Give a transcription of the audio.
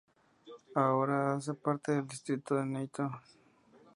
Ahora hace parte del distrito de Nyon.